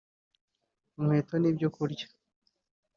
inkweto n’ibyo kurya